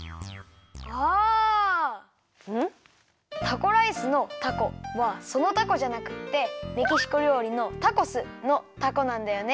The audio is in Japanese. タコライスの「タコ」はそのタコじゃなくってメキシコりょうりのタコスの「タコ」なんだよね。